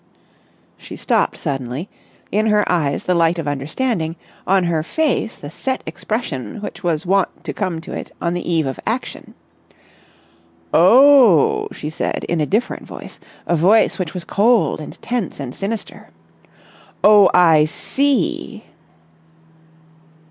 She stopped suddenly, in her eyes the light of understanding, on her face the set expression which was wont to come to it on the eve of action. "Oh!" she said in a different voice, a voice which was cold and tense and sinister. "Oh, I see!"